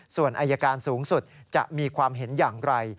ส่วนอายการสูงสุดจะมีความเห็นอย่างไร